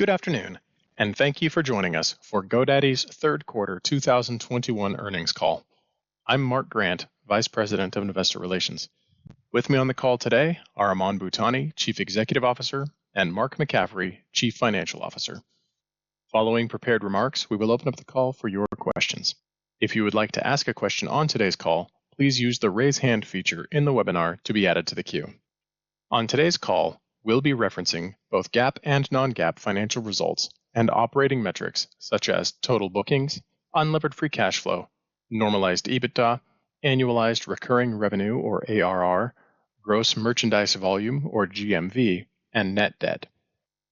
Good afternoon, and thank you for joining us for GoDaddy's third quarter 2021 earnings call. I'm Mark Grant, Vice President of Investor Relations. With me on the call today are Aman Bhutani, Chief Executive Officer, and Mark McCaffrey, Chief Financial Officer. Following prepared remarks, we will open up the call for your questions. If you would like to ask a question on today's call, please use the Raise Hand feature in the webinar to be added to the queue. On today's call, we'll be referencing both GAAP and non-GAAP financial results and operating metrics such as total bookings, unlevered free cash flow, normalized EBITDA, annualized recurring revenue or ARR, gross merchandise volume or GMV, and net debt.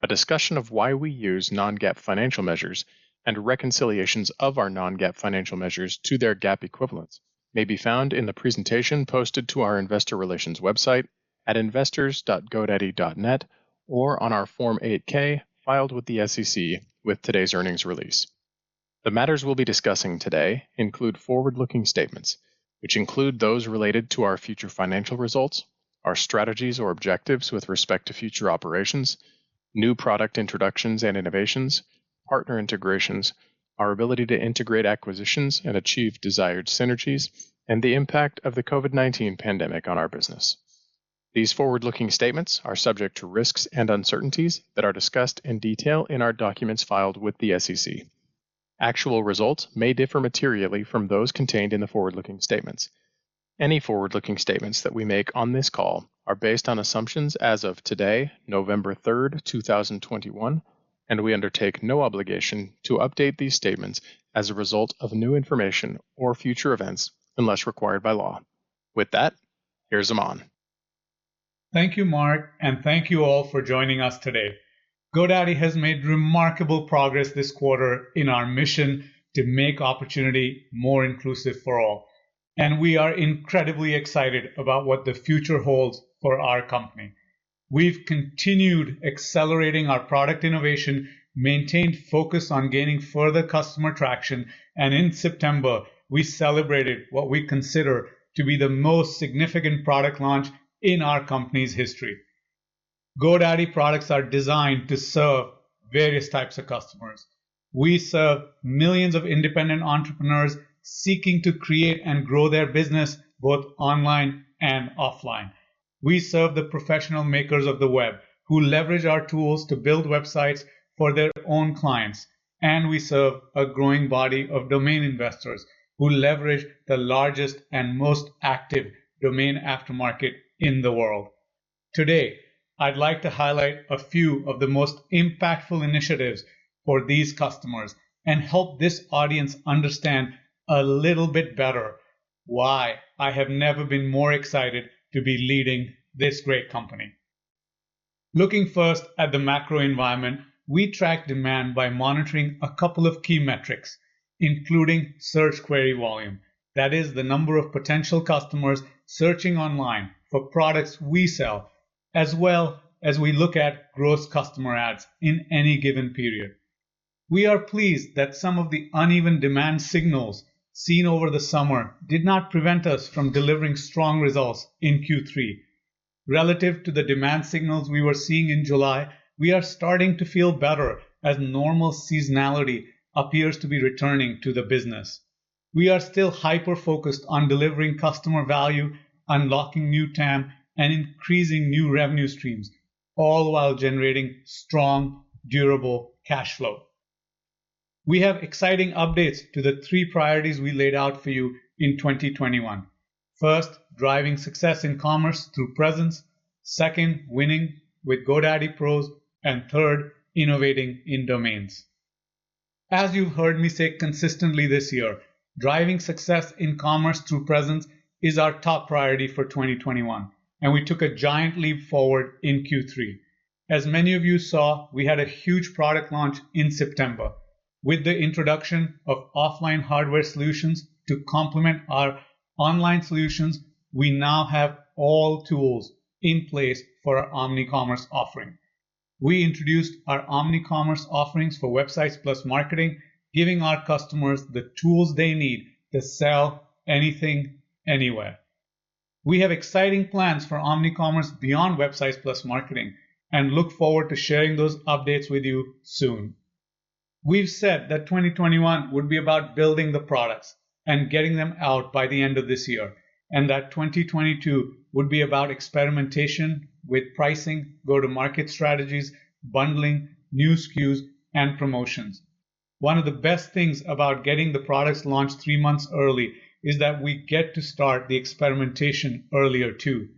A discussion of why we use non-GAAP financial measures and reconciliations of our non-GAAP financial measures to their GAAP equivalents may be found in the presentation posted to our investor relations website at investors.godaddy.net or on our Form 8-K filed with the SEC with today's earnings release. The matters we'll be discussing today include forward-looking statements, which include those related to our future financial results, our strategies or objectives with respect to future operations, new product introductions and innovations, partner integrations, our ability to integrate acquisitions and achieve desired synergies, and the impact of the COVID-19 pandemic on our business. These forward-looking statements are subject to risks and uncertainties that are discussed in detail in our documents filed with the SEC. Actual results may differ materially from those contained in the forward-looking statements. Any forward-looking statements that we make on this call are based on assumptions as of today, November 3rd, 2021, and we undertake no obligation to update these statements as a result of new information or future events unless required by law. With that, here's Aman. Thank you, Mark, and thank you all for joining us today. GoDaddy has made remarkable progress this quarter in our mission to make opportunity more inclusive for all, and we are incredibly excited about what the future holds for our company. We've continued accelerating our product innovation, maintained focus on gaining further customer traction, and in September, we celebrated what we consider to be the most significant product launch in our company's history. GoDaddy products are designed to serve various types of customers. We serve millions of independent entrepreneurs seeking to create and grow their business both online and offline. We serve the professional makers of the web who leverage our tools to build websites for their own clients, and we serve a growing body of domain investors who leverage the largest and most active domain aftermarket in the world. Today, I'd like to highlight a few of the most impactful initiatives for these customers and help this audience understand a little bit better why I have never been more excited to be leading this great company. Looking first at the macro environment, we track demand by monitoring a couple of key metrics, including search query volume. That is the number of potential customers searching online for products we sell, as well as we look at gross customer adds in any given period. We are pleased that some of the uneven demand signals seen over the summer did not prevent us from delivering strong results in Q3. Relative to the demand signals we were seeing in July, we are starting to feel better as normal seasonality appears to be returning to the business. We are still hyper-focused on delivering customer value, unlocking new TAM, and increasing new revenue streams, all while generating strong, durable cash flow. We have exciting updates to the three priorities we laid out for you in 2021. First, driving success in commerce through presence. Second, winning with GoDaddy Pros. Third, innovating in domains. As you've heard me say consistently this year, driving success in commerce through presence is our top priority for 2021, and we took a giant leap forward in Q3. As many of you saw, we had a huge product launch in September. With the introduction of offline hardware solutions to complement our online solutions, we now have all tools in place for our OmniCommerce offering. We introduced our OmniCommerce offerings for Websites + Marketing, giving our customers the tools they need to sell anything anywhere. We have exciting plans for OmniCommerce beyond Websites + Marketing and look forward to sharing those updates with you soon. We've said that 2021 would be about building the products and getting them out by the end of this year, and that 2022 would be about experimentation with pricing, go-to-market strategies, bundling, new SKUs, and promotions. One of the best things about getting the products launched three months early is that we get to start the experimentation earlier too.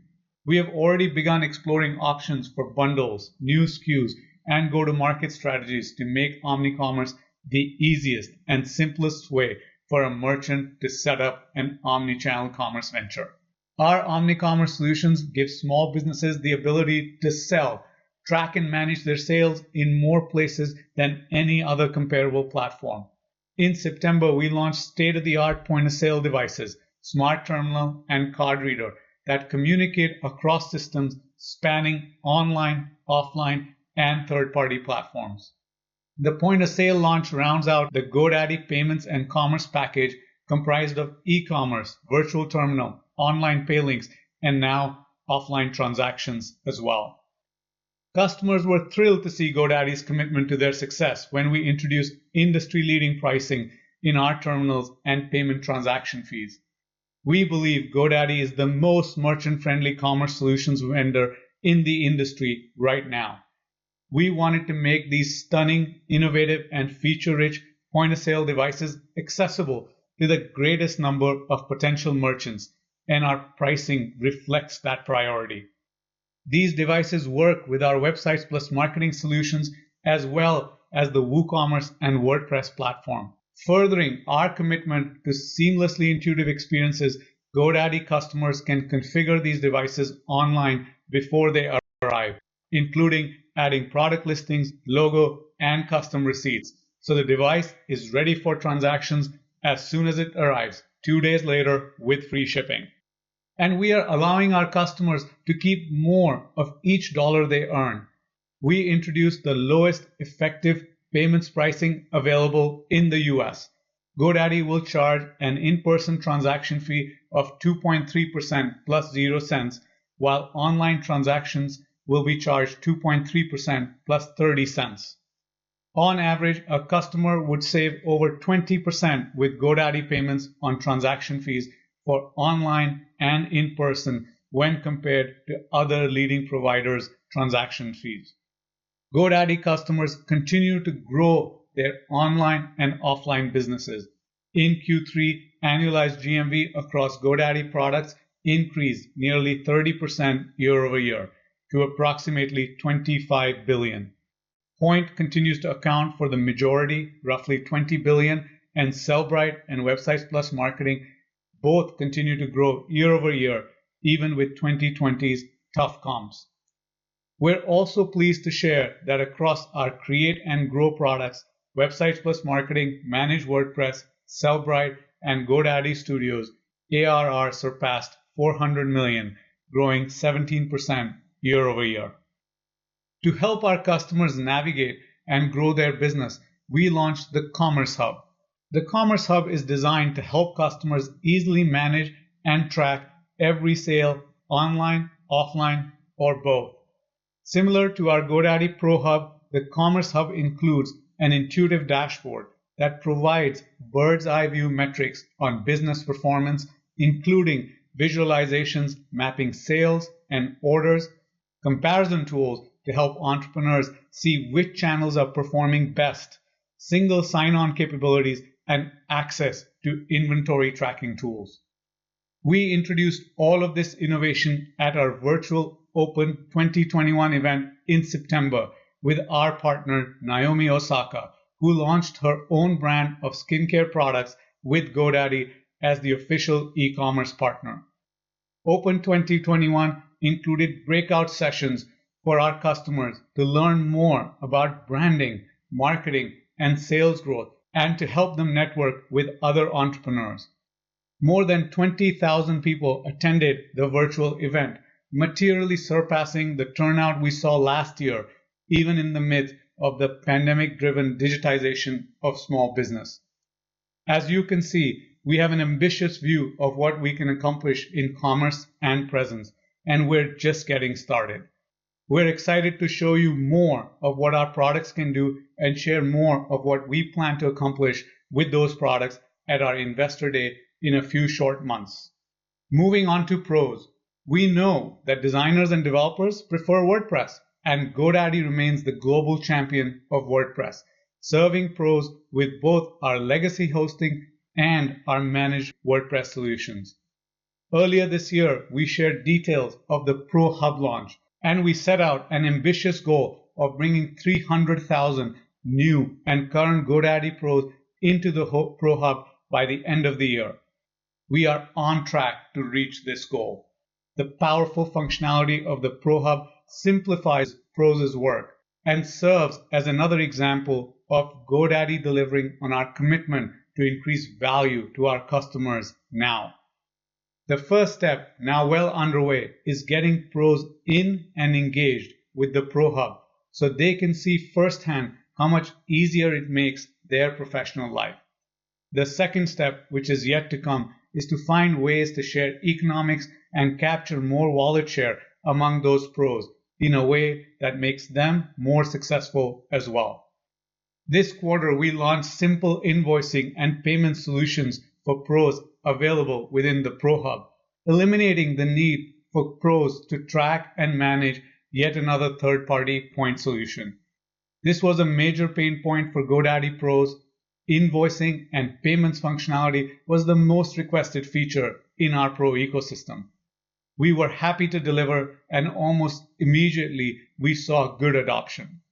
We have already begun exploring options for bundles, new SKUs, and go-to-market strategies to make OmniCommerce the easiest and simplest way for a merchant to set up an omnichannel commerce venture. Our OmniCommerce solutions give small businesses the ability to sell, track, and manage their sales in more places than any other comparable platform. In September, we launched state-of-the-art point-of-sale devices, Smart Terminal, and card reader that communicate across systems spanning online, offline, and third-party platforms. The point-of-sale launch rounds out the GoDaddy Payments and commerce package comprised of e-commerce, virtual terminal, online pay links, and now offline transactions as well. Customers were thrilled to see GoDaddy's commitment to their success when we introduced industry-leading pricing in our terminals and payment transaction fees. We believe GoDaddy is the most merchant-friendly commerce solutions vendor in the industry right now. We wanted to make these stunning, innovative, and feature-rich point-of-sale devices accessible to the greatest number of potential merchants, and our pricing reflects that priority. These devices work with our Websites + Marketing solutions, as well as the WooCommerce and WordPress platform. Furthering our commitment to seamlessly intuitive experiences, GoDaddy customers can configure these devices online before they arrive, including adding product listings, logo, and custom receipts so the device is ready for transactions as soon as it arrives two days later with free shipping. We are allowing our customers to keep more of each dollar they earn. We introduced the lowest effective Payments pricing available in the U.S. GoDaddy will charge an in-person transaction fee of 2.3% plus $0.00, while online transactions will be charged 2.3% plus $0.30. On average, a customer would save over 20% with GoDaddy Payments on transaction fees for online and in-person when compared to other leading providers' transaction fees. GoDaddy customers continue to grow their online and offline businesses. In Q3, annualized GMV across GoDaddy products increased nearly 30% year-over-year to approximately $25 billion. Poynt continues to account for the majority, roughly $20 billion, and Sellbrite and Websites + Marketing both continue to grow year-over-year even with 2020's tough comps. We're also pleased to share that across our create and grow products, Websites + Marketing, Managed WordPress, Sellbrite, and GoDaddy Studios, ARR surpassed $400 million, growing 17% year-over-year. To help our customers navigate and grow their business, we launched the Commerce Hub. The Commerce Hub is designed to help customers easily manage and track every sale online, offline, or both. Similar to our GoDaddy Pro Hub, the Commerce Hub includes an intuitive dashboard that provides bird's eye view metrics on business performance, including visualizations, mapping sales and orders, comparison tools to help entrepreneurs see which channels are performing best, single sign-on capabilities, and access to inventory tracking tools. We introduced all of this innovation at our virtual Open 2021 event in September with our partner, Naomi Osaka, who launched her own brand of skincare products with GoDaddy as the official e-commerce partner. Open 2021 included breakout sessions for our customers to learn more about branding, marketing, and sales growth and to help them network with other entrepreneurs. More than 20,000 people attended the virtual event, materially surpassing the turnout we saw last year, even in the midst of the pandemic-driven digitization of small business. As you can see, we have an ambitious view of what we can accomplish in commerce and presence, and we're just getting started. We're excited to show you more of what our products can do and share more of what we plan to accomplish with those products at our Investor Day in a few short months. Moving on to Pros. We know that designers and developers prefer WordPress, and GoDaddy remains the global champion of WordPress, serving Pros with both our legacy hosting and our managed WordPress solutions. Earlier this year, we shared details of the Pro Hub launch, and we set out an ambitious goal of bringing 300,000 new and current GoDaddy Pros into the whole Pro Hub by the end of the year. We are on track to reach this goal. The powerful functionality of the Pro Hub simplifies Pros' work and serves as another example of GoDaddy delivering on our commitment to increase value to our customers now. The first step, now well underway, is getting Pros in and engaged with the Pro Hub so they can see firsthand how much easier it makes their professional life. The second step, which is yet to come, is to find ways to share economics and capture more wallet share among those Pros in a way that makes them more successful as well. This quarter, we launched simple invoicing and payment solutions for Pros available within the Pro Hub, eliminating the need for Pros to track and manage yet another third-party point solution. This was a major pain point for GoDaddy Pros. Invoicing and payments functionality was the most requested feature in our Pro ecosystem. We were happy to deliver, and almost immediately, we saw good adoption.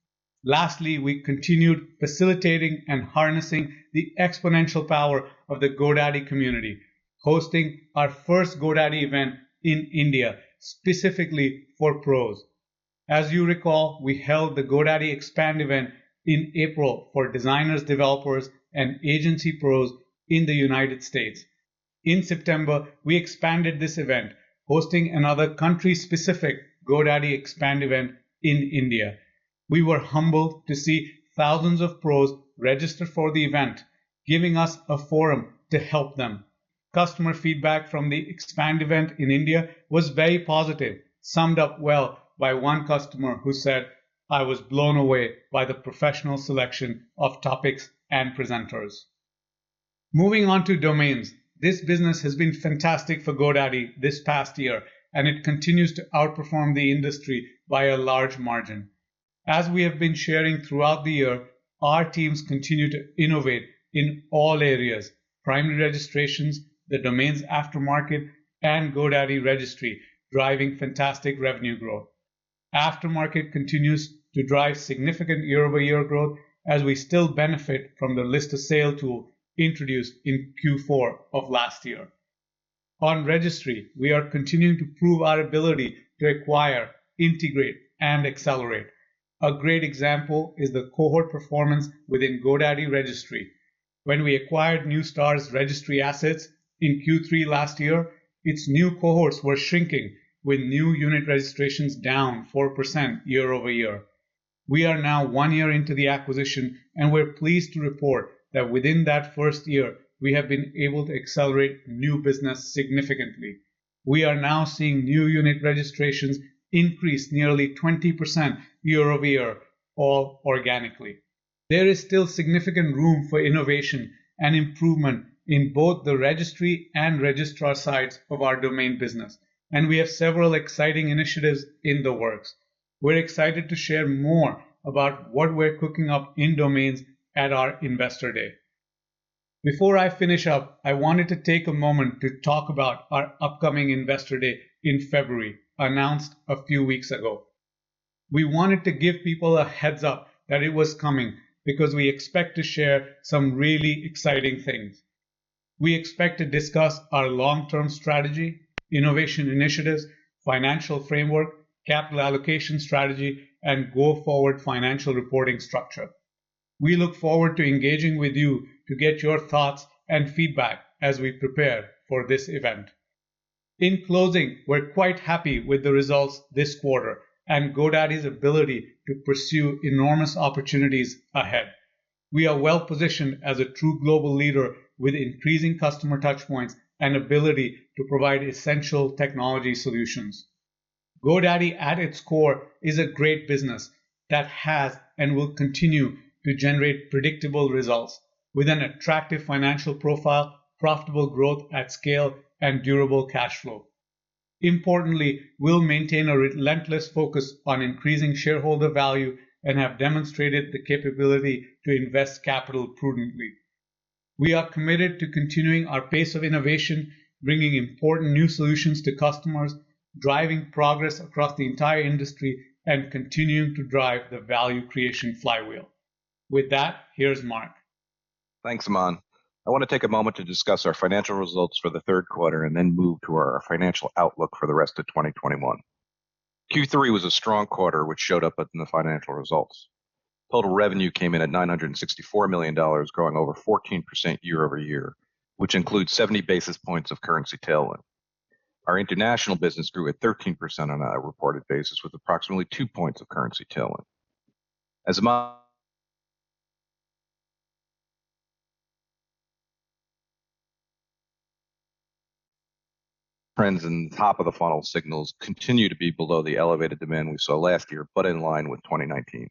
Lastly, we continued facilitating and harnessing the exponential power of the GoDaddy community, hosting our first GoDaddy event in India specifically for Pros. As you recall, we held the GoDaddy Expand event in April for designers, developers, and agency Pros in the United States. In September, we expanded this event, hosting another country-specific GoDaddy Expand event in India. We were humbled to see thousands of pros register for the event, giving us a forum to help them. Customer feedback from the Expand event in India was very positive, summed up well by one customer who said, "I was blown away by the professional selection of topics and presenters." Moving on to domains. This business has been fantastic for GoDaddy this past year, and it continues to outperform the industry by a large margin. As we have been sharing throughout the year, our teams continue to innovate in all areas, primary registrations, the domains aftermarket, and GoDaddy Registry, driving fantastic revenue growth. Aftermarket continues to drive significant year-over-year growth as we still benefit from the List for Sale tool introduced in Q4 of last year. On registry, we are continuing to prove our ability to acquire, integrate, and accelerate. A great example is the cohort performance within GoDaddy Registry. When we acquired Neustar's registry assets in Q3 last year, its new cohorts were shrinking with new unit registrations down 4% year-over-year. We are now one year into the acquisition, and we're pleased to report that within that first year, we have been able to accelerate new business significantly. We are now seeing new unit registrations increase nearly 20% year-over-year, all organically. There is still significant room for innovation and improvement in both the registry and registrar sites of our domain business, and we have several exciting initiatives in the works. We're excited to share more about what we're cooking up in domains at our Investor Day. Before I finish up, I wanted to take a moment to talk about our upcoming Investor Day in February, announced a few weeks ago. We wanted to give people a heads up that it was coming because we expect to share some really exciting things. We expect to discuss our long-term strategy, innovation initiatives, financial framework, capital allocation strategy, and go forward financial reporting structure. We look forward to engaging with you to get your thoughts and feedback as we prepare for this event. In closing, we're quite happy with the results this quarter and GoDaddy's ability to pursue enormous opportunities ahead. We are well-positioned as a true global leader with increasing customer touch points and ability to provide essential technology solutions. GoDaddy at its core is a great business that has and will continue to generate predictable results with an attractive financial profile, profitable growth at scale, and durable cash flow. Importantly, we'll maintain a relentless focus on increasing shareholder value and have demonstrated the capability to invest capital prudently. We are committed to continuing our pace of innovation, bringing important new solutions to customers, driving progress across the entire industry, and continuing to drive the value creation flywheel. With that, here's Mark. Thanks, Aman. I want to take a moment to discuss our financial results for the third quarter and then move to our financial outlook for the rest of 2021. Q3 was a strong quarter which showed up in the financial results. Total revenue came in at $964 million, growing over 14% year-over-year, which includes 70 basis points of currency tailwind. Our international business grew at 13% on a reported basis, with approximately two points of currency tailwind. As demand trends in top-of-the-funnel signals continue to be below the elevated demand we saw last year, but in line with 2019.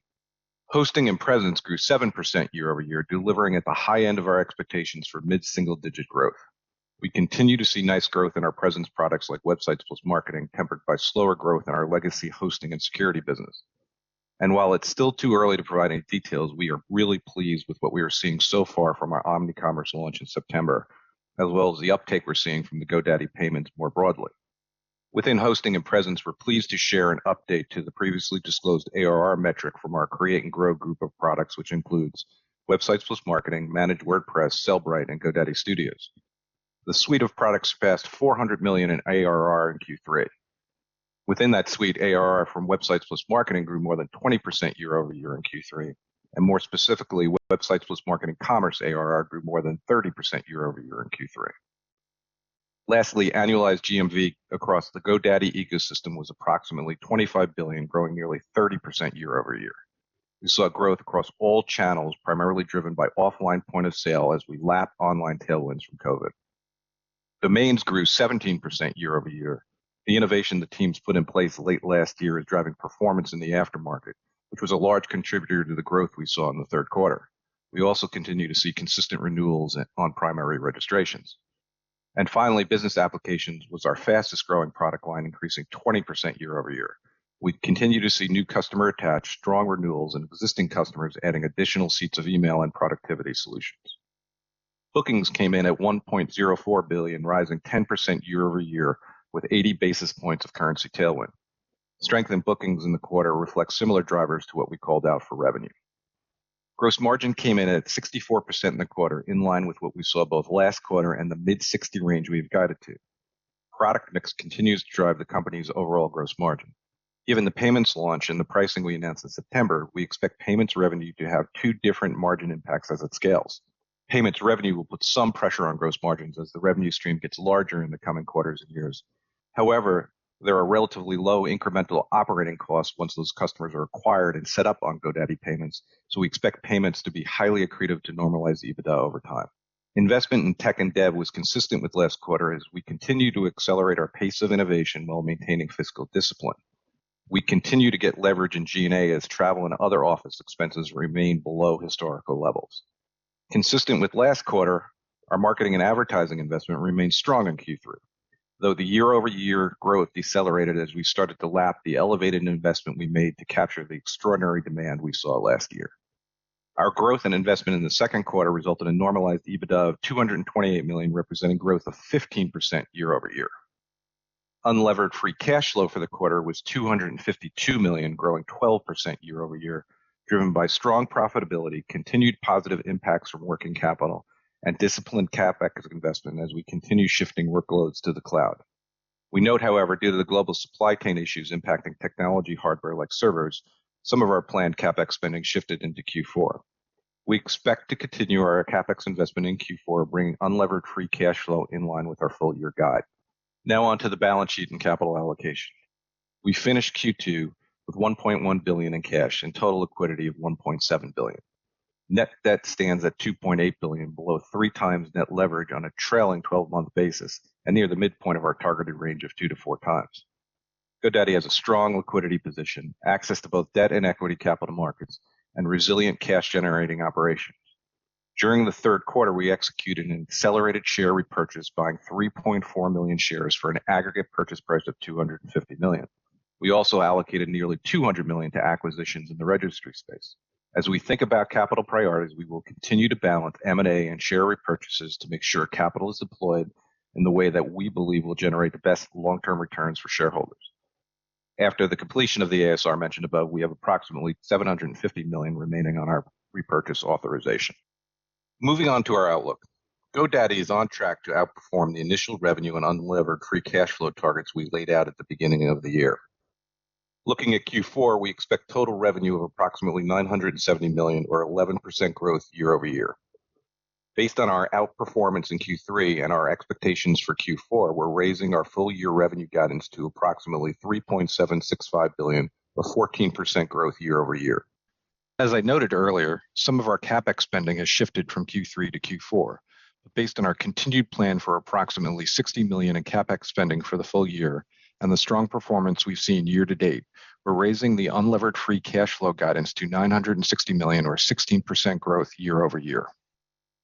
Hosting and presence grew 7% year-over-year, delivering at the high end of our expectations for mid-single-digit growth. We continue to see nice growth in our presence products like Websites + Marketing, tempered by slower growth in our legacy hosting and security business. While it's still too early to provide any details, we are really pleased with what we are seeing so far from our OmniCommerce launch in September, as well as the uptake we're seeing from the GoDaddy Payments more broadly. Within hosting and presence, we're pleased to share an update to the previously disclosed ARR metric from our Create and Grow group of products, which includes Websites + Marketing, Managed WordPress, Sellbrite, and GoDaddy Studios. The suite of products passed $400 million in ARR in Q3. Within that suite, ARR from Websites + Marketing grew more than 20% year-over-year in Q3, and more specifically, Websites + Marketing Commerce ARR grew more than 30% year-over-year in Q3. Lastly, annualized GMV across the GoDaddy ecosystem was approximately $25 billion, growing nearly 30% year-over-year. We saw growth across all channels, primarily driven by offline point of sale as we lap online tailwinds from COVID. Domains grew 17% year-over-year. The innovation the teams put in place late last year is driving performance in the aftermarket, which was a large contributor to the growth we saw in the third quarter. We also continue to see consistent renewals on primary registrations. Finally, business applications was our fastest-growing product line, increasing 20% year-over-year. We continue to see new customer attach, strong renewals, and existing customers adding additional seats of email and productivity solutions. Bookings came in at $1.04 billion, rising 10% year-over-year, with 80 basis points of currency tailwind. Strength in bookings in the quarter reflects similar drivers to what we called out for revenue. Gross margin came in at 64% in the quarter, in line with what we saw both last quarter and the mid-60% range we've guided to. Product mix continues to drive the company's overall gross margin. Given the payments launch and the pricing we announced in September, we expect payments revenue to have two different margin impacts as it scales. Payments revenue will put some pressure on gross margins as the revenue stream gets larger in the coming quarters and years. However, there are relatively low incremental operating costs once those customers are acquired and set up on GoDaddy Payments, so we expect payments to be highly accretive to normalized EBITDA over time. Investment in tech and dev was consistent with last quarter as we continue to accelerate our pace of innovation while maintaining fiscal discipline. We continue to get leverage in G&A as travel and other office expenses remain below historical levels. Consistent with last quarter, our marketing and advertising investment remained strong in Q3, though the year-over-year growth decelerated as we started to lap the elevated investment we made to capture the extraordinary demand we saw last year. Our growth and investment in the second quarter resulted in normalized EBITDA of $228 million, representing growth of 15% year-over-year. Unlevered free cash flow for the quarter was $252 million, growing 12% year-over-year, driven by strong profitability, continued positive impacts from working capital, and disciplined CapEx investment as we continue shifting workloads to the cloud. We note, however, due to the global supply chain issues impacting technology hardware like servers, some of our planned CapEx spending shifted into Q4. We expect to continue our CapEx investment in Q4, bringing unlevered free cash flow in line with our full-year guide. Now on to the balance sheet and capital allocation. We finished Q2 with $1.1 billion in cash and total liquidity of $1.7 billion. Net debt stands at $2.8 billion, below 3x net leverage on a trailing twelve-month basis and near the midpoint of our targeted range of 2x-4x. GoDaddy has a strong liquidity position, access to both debt and equity capital markets, and resilient cash-generating operations. During the third quarter, we executed an accelerated share repurchase, buying 3.4 million shares for an aggregate purchase price of $250 million. We also allocated nearly $200 million to acquisitions in the registry space. As we think about capital priorities, we will continue to balance M&A and share repurchases to make sure capital is deployed in the way that we believe will generate the best long-term returns for shareholders. After the completion of the ASR mentioned above, we have approximately $750 million remaining on our repurchase authorization. Moving on to our outlook. GoDaddy is on track to outperform the initial revenue and unlevered free cash flow targets we laid out at the beginning of the year. Looking at Q4, we expect total revenue of approximately $970 million or 11% growth year-over-year. Based on our outperformance in Q3 and our expectations for Q4, we're raising our full year revenue guidance to approximately $3.765 billion, a 14% growth year-over-year. As I noted earlier, some of our CapEx spending has shifted from Q3 to Q4. Based on our continued plan for approximately $60 million in CapEx spending for the full year and the strong performance we've seen year to date, we're raising the unlevered free cash flow guidance to $960 million or 16% growth year-over-year.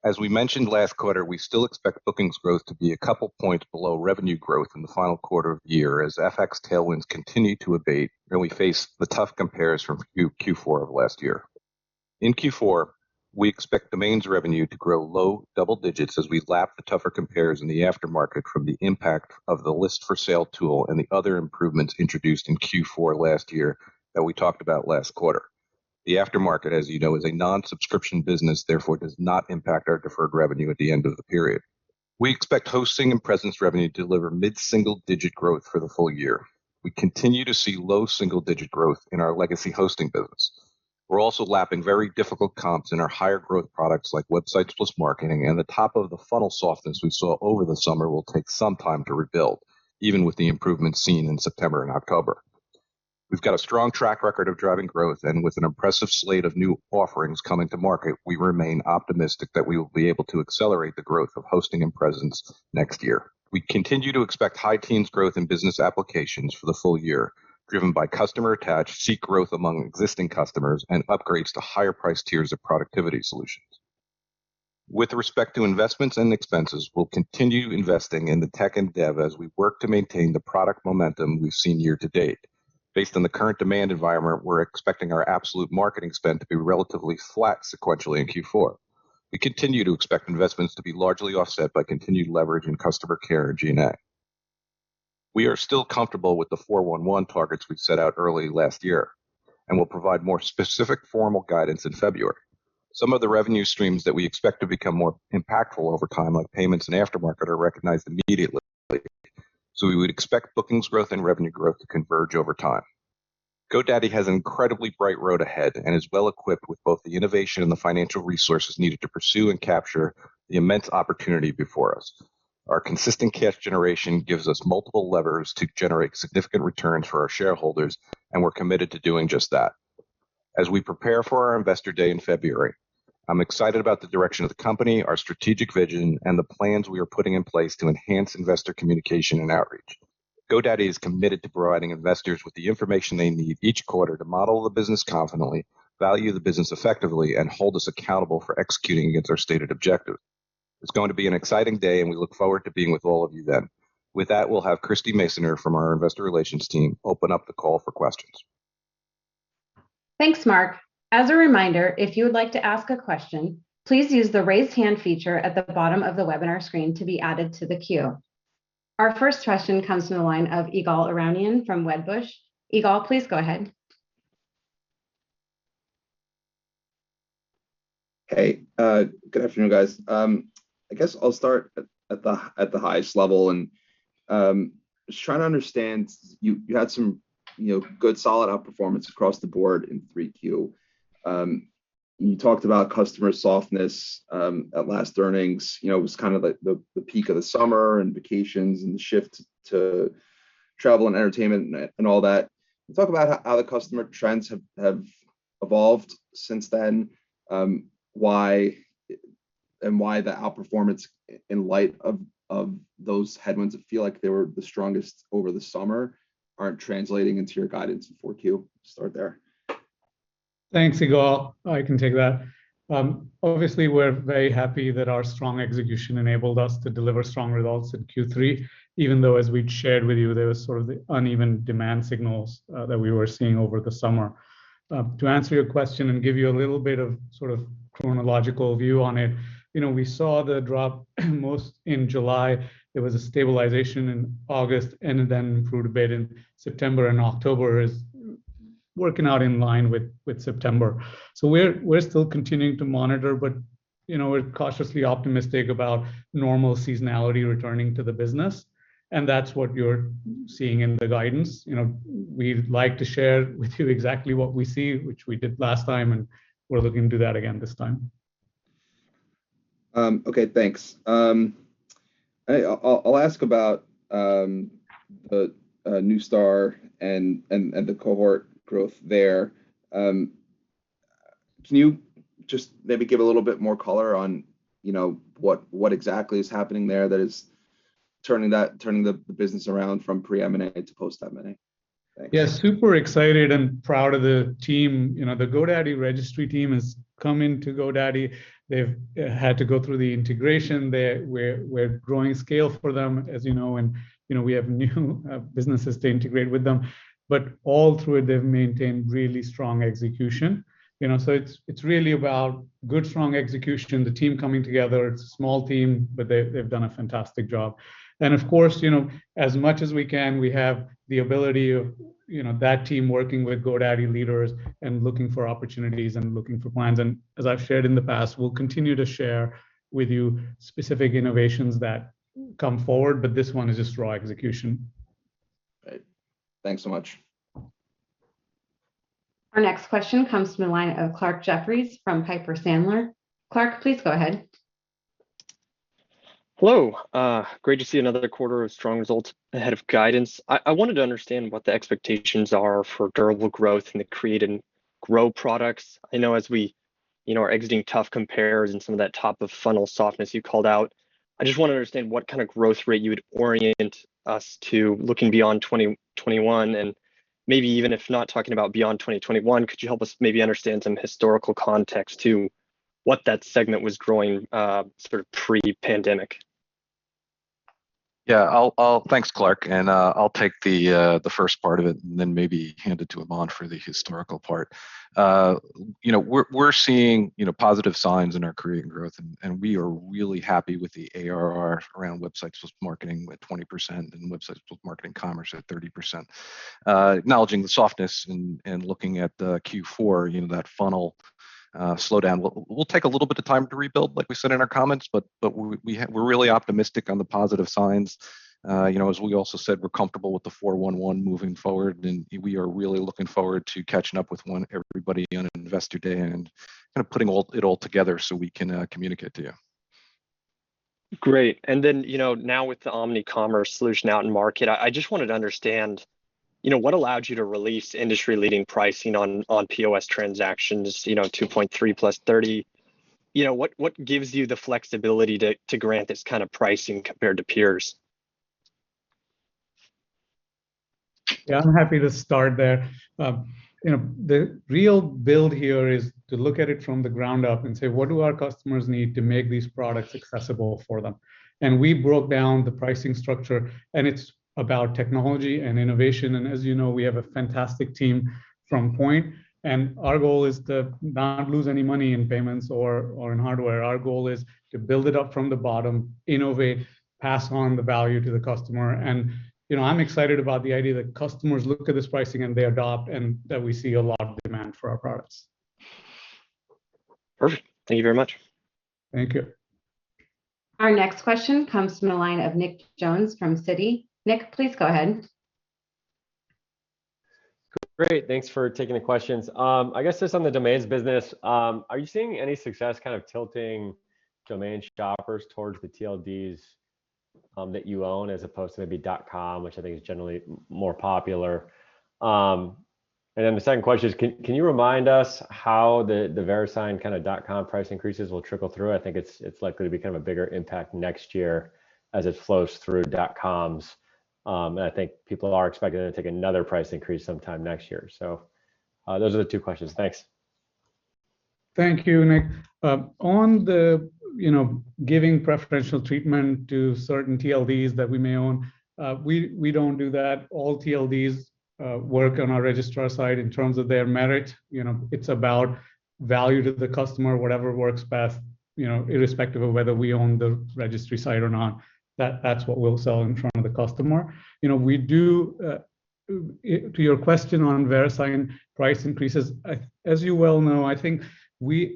As we mentioned last quarter, we still expect bookings growth to be a couple points below revenue growth in the final quarter of the year as FX tailwinds continue to abate and we face the tough compares from Q4 of last year. In Q4, we expect domains revenue to grow low double digits as we lap the tougher compares in the aftermarket from the impact of the List for Sale tool and the other improvements introduced in Q4 last year that we talked about last quarter. The aftermarket, as you know, is a non-subscription business, therefore does not impact our deferred revenue at the end of the period. We expect hosting and presence revenue to deliver mid-single digit growth for the full year. We continue to see low single-digit growth in our legacy hosting business. We're also lapping very difficult comps in our higher growth products like Websites + Marketing, and the top of the funnel softness we saw over the summer will take some time to rebuild, even with the improvements seen in September and October. We've got a strong track record of driving growth, and with an impressive slate of new offerings coming to market, we remain optimistic that we will be able to accelerate the growth of hosting and presence next year. We continue to expect high teens growth in business applications for the full year, driven by customer-attached seat growth among existing customers and upgrades to higher price tiers of productivity solutions. With respect to investments and expenses, we'll continue investing in the tech and dev as we work to maintain the product momentum we've seen year to date. Based on the current demand environment, we're expecting our absolute marketing spend to be relatively flat sequentially in Q4. We continue to expect investments to be largely offset by continued leverage in customer care and G&A. We are still comfortable with the 4-1-1 targets we set out early last year and will provide more specific formal guidance in February. Some of the revenue streams that we expect to become more impactful over time, like payments and aftermarket, are recognized immediately, so we would expect bookings growth and revenue growth to converge over time. GoDaddy has an incredibly bright road ahead and is well equipped with both the innovation and the financial resources needed to pursue and capture the immense opportunity before us. Our consistent cash generation gives us multiple levers to generate significant returns for our shareholders, and we're committed to doing just that. As we prepare for our Investor Day in February, I'm excited about the direction of the company, our strategic vision, and the plans we are putting in place to enhance investor communication and outreach. GoDaddy is committed to providing investors with the information they need each quarter to model the business confidently, value the business effectively, and hold us accountable for executing against our stated objectives. It's going to be an exciting day, and we look forward to being with all of you then. With that, we'll have Christie Masoner from our investor relations team open up the call for questions. Thanks, Mark. As a reminder, if you would like to ask a question, please use the raise hand feature at the bottom of the webinar screen to be added to the queue. Our first question comes from the line of Ygal Arounian from Wedbush. Ygal, please go ahead. Hey, good afternoon, guys. I guess I'll start at the highest level and just trying to understand you had some, you know, good solid outperformance across the board in 3Q. You talked about customer softness at last earnings. You know, it was kind of like the peak of the summer and vacations and the shift to travel and entertainment and all that. Talk about how the customer trends have evolved since then and why the outperformance in light of those headwinds that feel like they were the strongest over the summer aren't translating into your guidance in 4Q. Start there. Thanks, Ygal. I can take that. Obviously, we're very happy that our strong execution enabled us to deliver strong results in Q3, even though, as we'd shared with you, there was sort of the uneven demand signals that we were seeing over the summer. To answer your question and give you a little bit of sort of chronological view on it, you know, we saw the drop most in July. There was a stabilization in August, and then through to mid in September, and October is working out in line with September. We're still continuing to monitor, but, you know, we're cautiously optimistic about normal seasonality returning to the business, and that's what you're seeing in the guidance. You know, we like to share with you exactly what we see, which we did last time, and we're looking to do that again this time. Okay, thanks. I'll ask about the Neustar and the cohort growth there. Can you just maybe give a little bit more color on, you know, what exactly is happening there that is turning the business around from pre-M&A to post-M&A? Thanks. Yeah. Super excited and proud of the team. You know, the GoDaddy Registry team has come into GoDaddy. They've had to go through the integration. We're growing scale for them, as you know, and you know, we have new businesses to integrate with them. All through it, they've maintained really strong execution. You know, it's really about good, strong execution, the team coming together. It's a small team, but they've done a fantastic job. Of course, you know, as much as we can, we have the ability of you know, that team working with GoDaddy leaders and looking for opportunities and looking for plans. As I've shared in the past, we'll continue to share with you specific innovations that come forward, but this one is just raw execution. Great. Thanks so much. Our next question comes from the line of Clarke Jeffries from Piper Sandler. Clarke, please go ahead. Hello. Great to see another quarter of strong results ahead of guidance. I wanted to understand what the expectations are for durable growth in the create and grow products. I know as we, you know, are exiting tough compares and some of that top of funnel softness you called out, I just wanna understand what kind of growth rate you would orient us to looking beyond 2021, and maybe even if not talking about beyond 2021, could you help us maybe understand some historical context to what that segment was growing, sort of pre-pandemic? Yeah. I'll take the first part of it and then maybe hand it to Aman for the historical part. You know, we're seeing positive signs in our create and growth, and we are really happy with the ARR around Websites + Marketing at 20% and Websites + Marketing and Commerce at 30%. Acknowledging the softness and looking at the Q4, you know, that funnel slowdown, we'll take a little bit of time to rebuild, like we said in our comments, but we're really optimistic on the positive signs. You know, as we also said, we're comfortable with the 4-1-1 moving forward, and we are really looking forward to catching up with everybody on Investor Day and kind of putting all it all together so we can communicate to you. Great. Then, you know, now with the OmniCommerce solution out in market, I just wanted to understand, you know, what allowed you to release industry-leading pricing on POS transactions, you know, 2.3% + $0.30. You know, what gives you the flexibility to grant this kind of pricing compared to peers? Yeah, I'm happy to start there. You know, the real build here is to look at it from the ground up and say, "What do our customers need to make these products accessible for them?" We broke down the pricing structure, and it's about technology and innovation. As you know, we have a fantastic team from Poynt, and our goal is to not lose any money in payments or in hardware. Our goal is to build it up from the bottom, innovate, pass on the value to the customer. You know, I'm excited about the idea that customers look at this pricing and they adopt, and that we see a lot of demand for our products. Perfect. Thank you very much. Thank you. Our next question comes from the line of Nick Jones from Citi. Nick, please go ahead. Great. Thanks for taking the questions. I guess just on the domains business, are you seeing any success kind of tilting domain shoppers towards the TLDs that you own as opposed to maybe dot com, which I think is generally more popular? And then the second question is can you remind us how the Verisign kind of dot com price increases will trickle through? I think it's likely to become a bigger impact next year as it flows through dot coms. And I think people are expecting it to take another price increase sometime next year. So those are the two questions. Thanks. Thank you, Nick. On the, you know, giving preferential treatment to certain TLDs that we may own, we don't do that. All TLDs work on our registrar side in terms of their merit. You know, it's about value to the customer, whatever works best, you know, irrespective of whether we own the registry side or not. That's what we'll sell in front of the customer. You know, to your question on Verisign price increases, as you well know, I think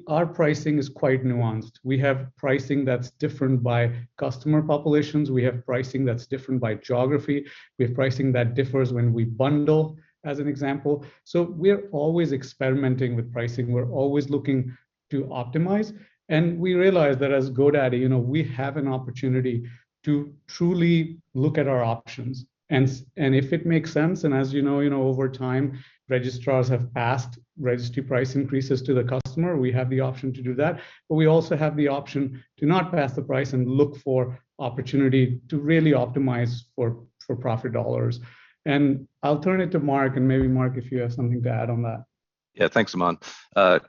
our pricing is quite nuanced. We have pricing that's different by customer populations, we have pricing that's different by geography, we have pricing that differs when we bundle, as an example. We're always experimenting with pricing. We're always looking to optimize, and we realize that as GoDaddy, you know, we have an opportunity to truly look at our options. If it makes sense, and as you know, you know, over time registrars have passed registry price increases to the customer, we have the option to do that. We also have the option to not pass the price and look for opportunity to really optimize for profit dollars. I'll turn it to Mark, and maybe Mark, if you have something to add on that. Yeah. Thanks, Aman.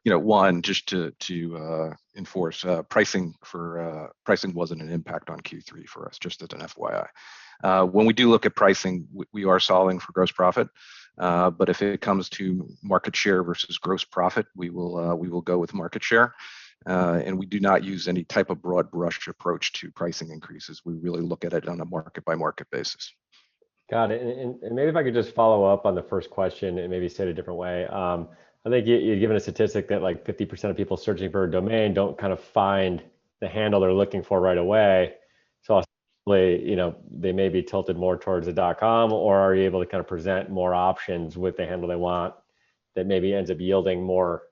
One, just to reinforce, pricing wasn't an impact on Q3 for us, just as an FYI. When we do look at pricing, we are solving for gross profit, but if it comes to market share versus gross profit, we will go with market share. We do not use any type of broad brush approach to pricing increases. We really look at it on a market by market basis. Got it. Maybe if I could just follow up on the first question and maybe say it a different way. I think you'd given a statistic that like 50% of people searching for a domain don't kind of find the handle they're looking for right away, so obviously, you know, they may be tilted more towards the dot com or are you able to kind of present more options with the handle they want that maybe ends up yielding more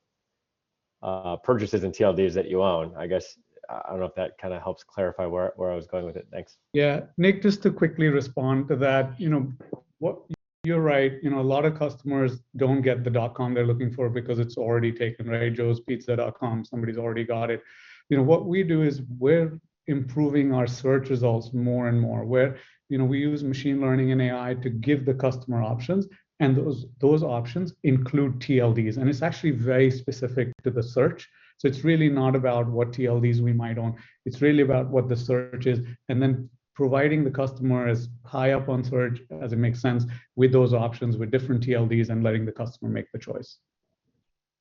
purchases in TLDs that you own? I guess I don't know if that kinda helps clarify where I was going with it. Thanks. Yeah. Nick, just to quickly respond to that, you know, what... You're right. You know, a lot of customers don't get the dot com they're looking for because it's already taken, right? Joespizza.com, somebody's already got it. You know, what we do is we're improving our search results more and more, where, you know, we use machine learning and AI to give the customer options, and those options include TLDs, and it's actually very specific to the search. So it's really not about what TLDs we might own. It's really about what the search is, and then providing the customer as high up on search as it makes sense with those options, with different TLDs, and letting the customer make the choice.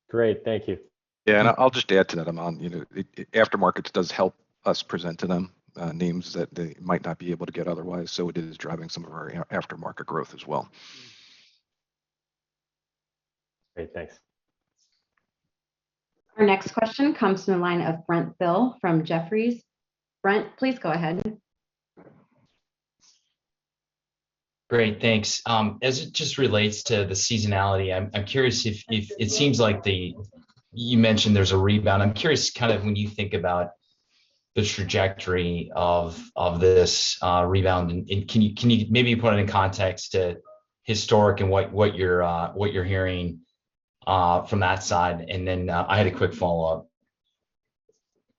Great. Thank you. Yeah. I'll just add to that, Aman. You know, aftermarkets does help us present to them names that they might not be able to get otherwise, so it is driving some of our aftermarket growth as well. Great. Thanks. Our next question comes from the line of Brent Thill from Jefferies. Brent, please go ahead. Great. Thanks. As it just relates to the seasonality, I'm curious if it seems like you mentioned there's a rebound. I'm curious kind of when you think about the trajectory of this rebound and can you maybe put it in context to historical and what you're hearing from that side? I had a quick follow-up.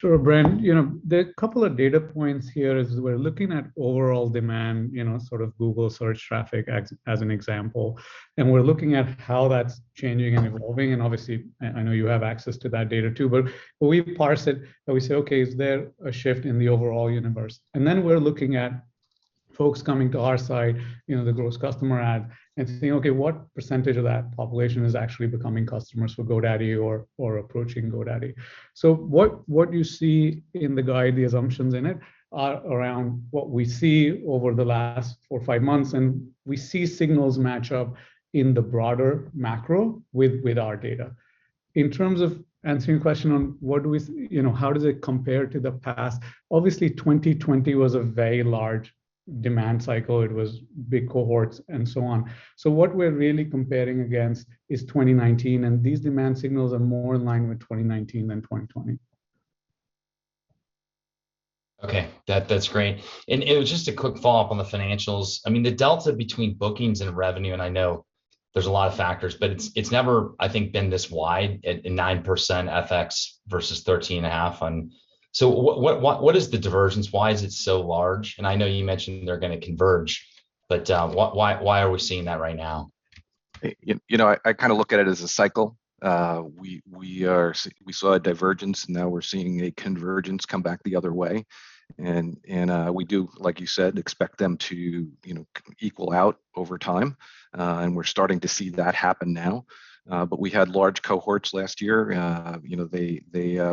Sure, Brent. You know, the couple of data points here is we're looking at overall demand, you know, sort of Google Search traffic such as an example, and we're looking at how that's changing and evolving, and obviously, and I know you have access to that data too. We parse it, and we say, "Okay. Is there a shift in the overall universe?" Then we're looking at folks coming to our site, you know, the gross customer add, and saying, "Okay. What percentage of that population is actually becoming customers for GoDaddy or approaching GoDaddy?" What you see in the guide, the assumptions in it, are around what we see over the last four or five months, and we see signals match up in the broader macro with our data. In terms of answering your question on what do we, you know, how does it compare to the past, obviously 2020 was a very large demand cycle. It was big cohorts and so on. What we're really comparing against is 2019, and these demand signals are more in line with 2019 than 2020. Okay. That's great. It was just a quick follow-up on the financials. I mean, the delta between bookings and revenue, and I know there's a lot of factors, but it's never, I think, been this wide at 9% FX versus 13.5%. What is the divergence? Why is it so large? I know you mentioned they're gonna converge, but why are we seeing that right now? You know, I kind of look at it as a cycle. We saw a divergence, and now we're seeing a convergence come back the other way, and we do, like you said, expect them to, you know, equal out over time. We're starting to see that happen now. We had large cohorts last year. You know, they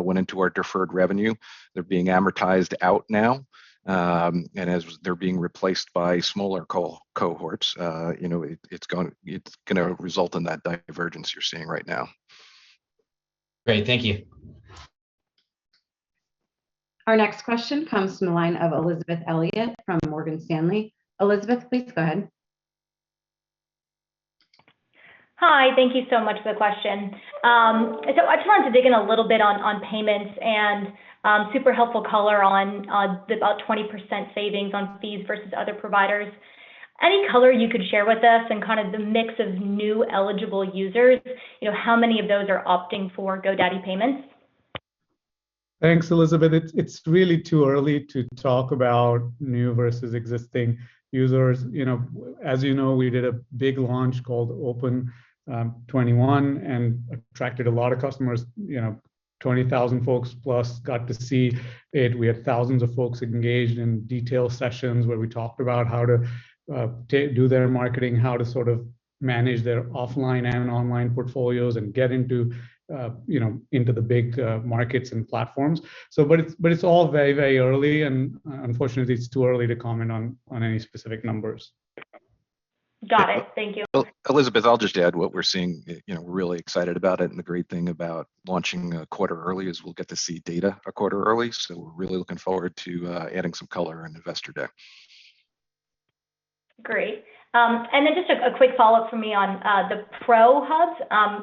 went into our deferred revenue. They're being amortized out now. As they're being replaced by smaller cohorts, you know, it's gonna result in that divergence you're seeing right now. Great. Thank you. Our next question comes from the line of Elizabeth Elliott from Morgan Stanley. Elizabeth, please go ahead. Hi. Thank you so much for the question. I just wanted to dig in a little bit on payments and super helpful color on about 20% savings on fees versus other providers. Any color you could share with us in kind of the mix of new eligible users, you know, how many of those are opting for GoDaddy Payments? Thanks, Elizabeth. It's really too early to talk about new versus existing users. You know, as you know, we did a big launch called Open 2021 and attracted a lot of customers. You know, 20,000 folks plus got to see it. We had thousands of folks engaged in detailed sessions where we talked about how to do their marketing, how to sort of manage their offline and online portfolios and get into, you know, the big markets and platforms. But it's all very, very early, and, unfortunately, it's too early to comment on any specific numbers. Got it. Thank you. Well, Elizabeth, I'll just add what we're seeing, you know, we're really excited about it, and the great thing about launching a quarter early is we'll get to see data a quarter early. We're really looking forward to adding some color in the investor deck. Great. Just a quick follow-up from me on the Pro Hubs.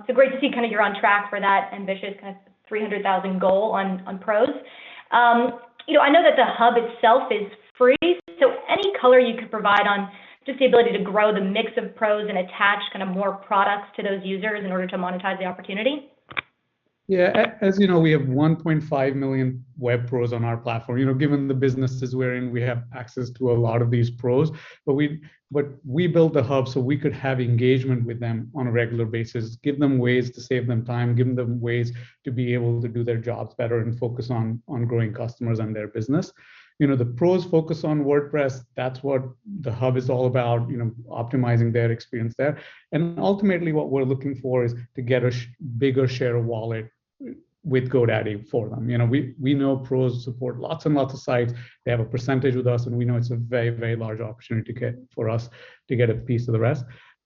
It's great to see kinda you're on track for that ambitious kind of 300,000 goal on Pros. You know, I know that the hub itself is free, so any color you could provide on just the ability to grow the mix of Pros and attach kinda more products to those users in order to monetize the opportunity? As you know, we have 1.5 million Web Pros on our platform. You know, given the businesses we're in, we have access to a lot of these Pros. But we built the hub so we could have engagement with them on a regular basis, give them ways to save time, give them ways to be able to do their jobs better and focus on growing customers and their business. You know, the Pros focus on WordPress, that's what the hub is all about, you know, optimizing their experience there. Ultimately, what we're looking for is to get a bigger share of wallet with GoDaddy for them. You know, we know Pros support lots and lots of sites. They have a percentage with us, and we know it's a very, very large opportunity to get For us to get a piece of the rest.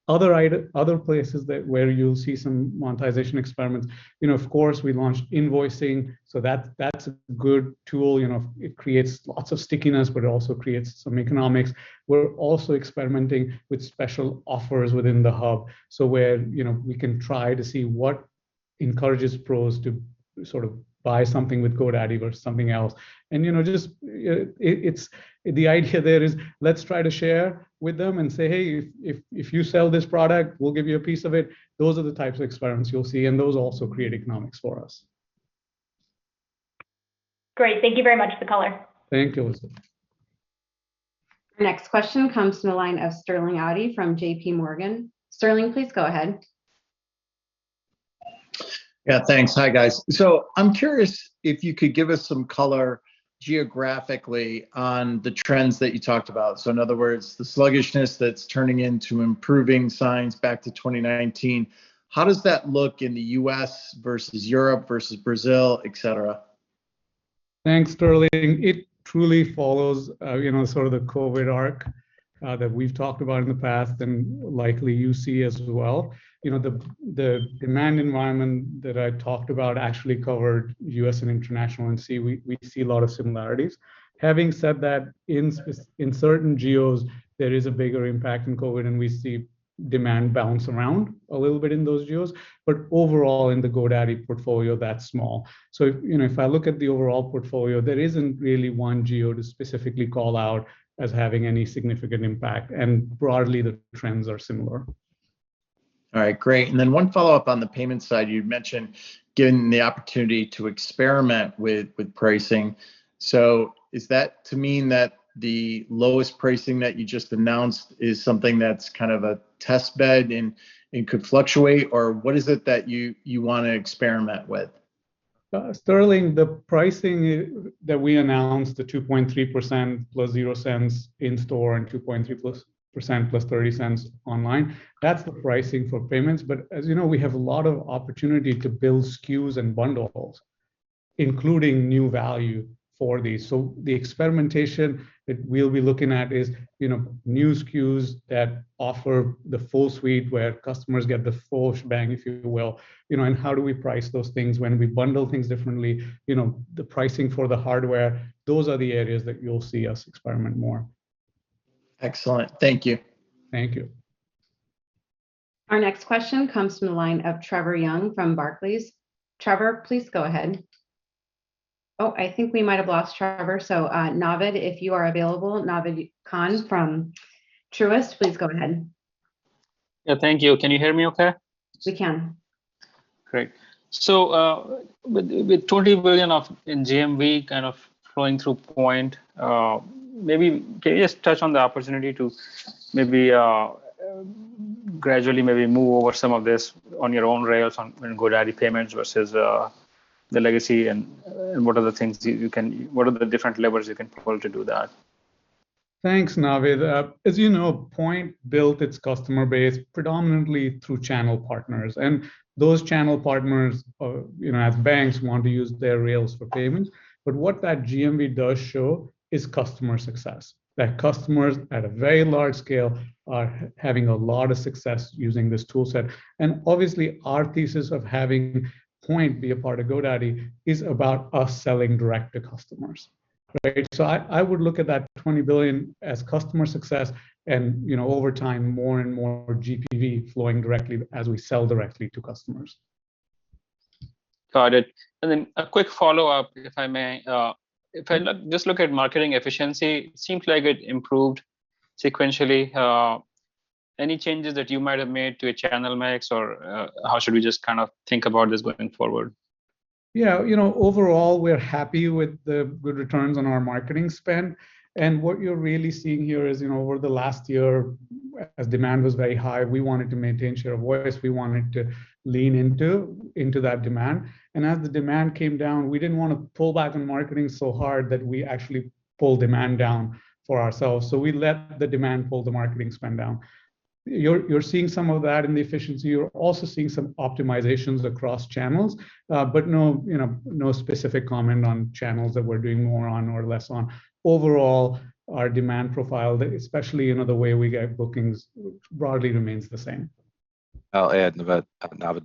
Other places where you'll see some monetization experiments, you know, of course, we launched invoicing, so that's a good tool. You know, it creates lots of stickiness, but it also creates some economics. We're also experimenting with special offers within the hub, so, where, you know, we can try to see what encourages Pros to sort of buy something with GoDaddy versus something else. You know, the idea there is let's try to share with them and say, "Hey, if you sell this product, we'll give you a piece of it." Those are the types of experiments you'll see, and those also create economics for us. Great. Thank you very much for the color. Thank you, Elizabeth. Next question comes from the line of Sterling Auty from JPMorgan. Sterling, please go ahead. Yeah, thanks. Hi, guys. I'm curious if you could give us some color geographically on the trends that you talked about. In other words, the sluggishness that's turning into improving signs back to 2019, how does that look in the U.S. versus Europe versus Brazil, et cetera? Thanks, Sterling. It truly follows, you know, sort of the COVID arc that we've talked about in the past and likely you see as well. You know, the demand environment that I talked about actually covered U.S. and international, and we see a lot of similarities. Having said that, in certain geos, there is a bigger impact in COVID, and we see demand bounce around a little bit in those geos. Overall, in the GoDaddy portfolio, that's small. You know, if I look at the overall portfolio, there isn't really one geo to specifically call out as having any significant impact, and broadly, the trends are similar. All right, great. One follow-up on the payment side. You'd mentioned getting the opportunity to experiment with pricing. Is that to mean that the lowest pricing that you just announced is something that's kind of a test bed and could fluctuate? Or what is it that you wanna experiment with? Sterling, the pricing that we announced, the 2.3% + 0 cents in-store and 2.3% + 30 cents online, that's the pricing for payments. As you know, we have a lot of opportunity to build SKUs and bundles, including new value for these. The experimentation that we'll be looking at is, you know, new SKUs that offer the full suite where customers get the full shebang, if you will. You know, and how do we price those things when we bundle things differently? You know, the pricing for the hardware, those are the areas that you'll see us experiment more. Excellent. Thank you. Thank you. Our next question comes from the line of Trevor Young from Barclays. Trevor, please go ahead. Oh, I think we might have lost Trevor. Naved, if you are available, Naved Khan from Truist, please go ahead. Yeah. Thank you. Can you hear me okay? We can. Great. With 20 billion in GMV kind of flowing through Poynt, maybe can you just touch on the opportunity to maybe gradually maybe move over some of this on your own rails in GoDaddy Payments versus the legacy, and what are the different levers you can pull to do that? Thanks, Naved. As you know, Poynt built its customer base predominantly through channel partners, and those channel partners, you know, as banks want to use their rails for payments. What that GMV does show is customer success, that customers at a very large scale are having a lot of success using this tool set. Obviously, our thesis of having Poynt be a part of GoDaddy is about us selling direct to customers, right? I would look at that $20 billion as customer success and, you know, over time, more and more GPV flowing directly as we sell directly to customers. Got it. A quick follow-up, if I may. If I just look at marketing efficiency, seems like it improved sequentially. Any changes that you might have made to a channel mix or, how should we just kind of think about this going forward? Yeah. You know, overall, we're happy with the good returns on our marketing spend. What you're really seeing here is, you know, over the last year, as demand was very high, we wanted to maintain share of voice. We wanted to lean into that demand. As the demand came down, we didn't wanna pull back on marketing so hard that we actually pull demand down for ourselves. We let the demand pull the marketing spend down. You're seeing some of that in the efficiency. You're also seeing some optimizations across channels, but no, you know, no specific comment on channels that we're doing more on or less on. Overall, our demand profile, especially, you know, the way we get bookings, broadly remains the same. I'll add, Naved,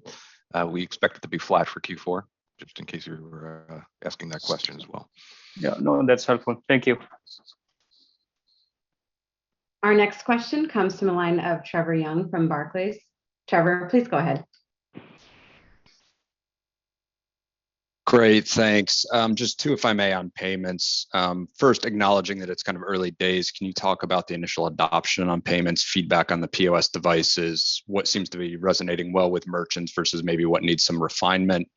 we expect it to be flat for Q4, just in case you were asking that question as well. Yeah, no, that's helpful. Thank you. Our next question comes from the line of Trevor Young from Barclays. Trevor, please go ahead. Great, thanks. Just two if I may on payments. First acknowledging that it's kind of early days, can you talk about the initial adoption on payments, feedback on the POS devices, what seems to be resonating well with merchants versus maybe what needs some refinement?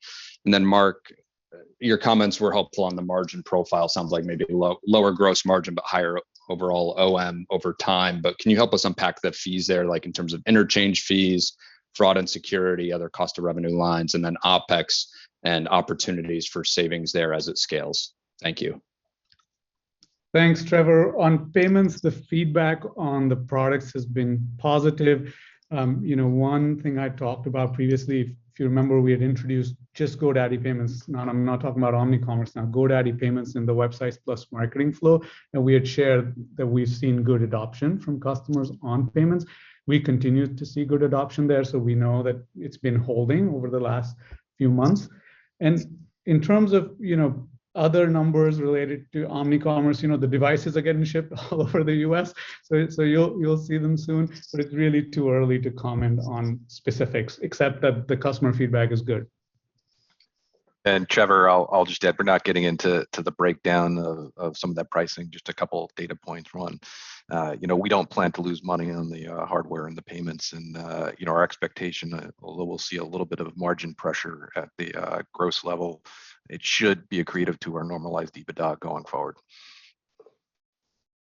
Then Mark, your comments were helpful on the margin profile. Sounds like maybe lower gross margin, but higher overall OM over time. Can you help us unpack the fees there, like in terms of interchange fees, fraud and security, other cost of revenue lines, and then OPEX and opportunities for savings there as it scales? Thank you. Thanks, Trevor. On payments, the feedback on the products has been positive. You know, one thing I talked about previously, if you remember, we had introduced just GoDaddy Payments. Now I'm not talking about OmniCommerce now, GoDaddy Payments and the Websites + Marketing flow. We had shared that we've seen good adoption from customers on payments. We continue to see good adoption there, so we know that it's been holding over the last few months. In terms of, you know, other numbers related to OmniCommerce, you know, the devices are getting shipped all over the U.S., so you'll see them soon. But it's really too early to comment on specifics, except that the customer feedback is good. Trevor, I'll just add, we're not getting into the breakdown of some of that pricing, just a couple data points. One, you know, we don't plan to lose money on the hardware and the payments and, you know, our expectation, although we'll see a little bit of margin pressure at the gross level, it should be accretive to our normalized EBITDA going forward.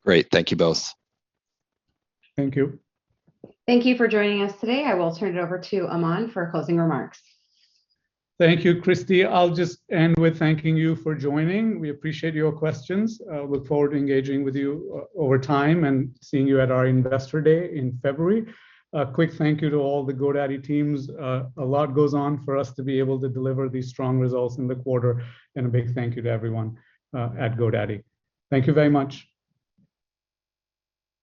Great. Thank you both. Thank you. Thank you for joining us today. I will turn it over to Aman for closing remarks. Thank you, Christie. I'll just end with thanking you for joining. We appreciate your questions. Look forward to engaging with you over time and seeing you at our Investor Day in February. A quick thank you to all the GoDaddy teams. A lot goes on for us to be able to deliver these strong results in the quarter, and a big thank you to everyone at GoDaddy. Thank you very much.